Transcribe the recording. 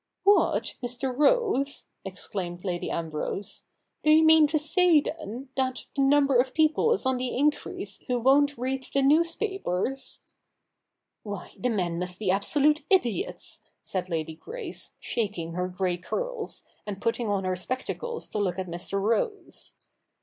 '\\Tiat, Mr. Rose !' exclaimed Lady Ambrose, 'do you mean to say, then, that the number of people is on the increase who wont read the newspapers ?'' U^y, the men must be absolute idiots I ' said Lady i86 THE NEW REPUBLIC [bk. n Grace, shaking her grey curls, and putting on her spectacles to look at Mr. Rose.